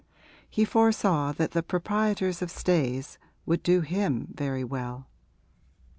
He foresaw that the proprietors of Stayes would do him very well.